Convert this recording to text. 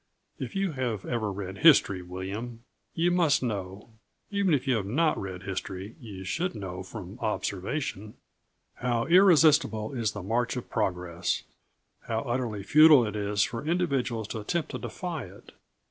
If you have ever read history, William, you must know even if you have not read history you should know from observation how irresistible is the march of progress; how utterly futile it is for individuals to attempt to defy it.